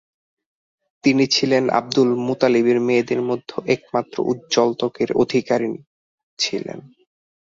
তিনি ছিলেন আব্দুল মুতালিবের মেয়েদের মধ্যে একমাত্র উজ্জ্বল ত্বকের অধিকারিণী ছিলেন॥